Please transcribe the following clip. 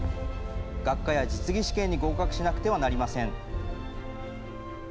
学科や実技試験に合格しなくてはなりません。